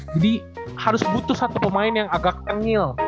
jadi harus butuh satu pemain yang agak tengil